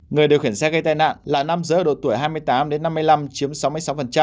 người điều khiển xe gây tai nạn là năm giữa độ tuổi hai mươi tám đến năm mươi năm chiếm sáu mươi sáu